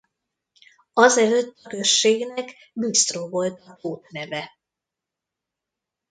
Azelőtt a községnek Bisztró volt a tót neve.